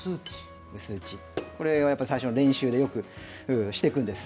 これは最初の練習でよくしていくんです。